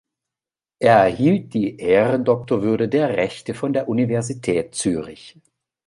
Er erhielt die Ehrendoktorwürde der Rechte von der Universität Zürich.